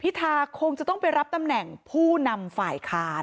ทาคงจะต้องไปรับตำแหน่งผู้นำฝ่ายค้าน